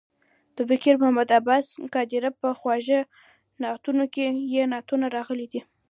د فقیر محمد عباس قادریه په خواږه نعتونه کې یې نعتونه راغلي دي.